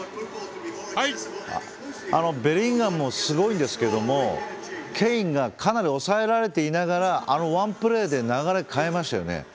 ベリンガムもすごいんですけどもケインがかなり抑えられていながらあのワンプレーで流れを変えましたよね。